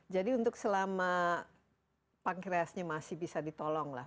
jadi untuk selama pankreasnya masih bisa ditolong lah